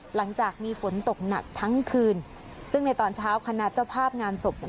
หลังจากมีฝนตกหนักทั้งคืนซึ่งในตอนเช้าคณะเจ้าภาพงานศพ